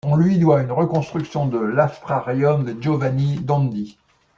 On lui doit une reconstruction de l’astrarium de Giovanni Dondi.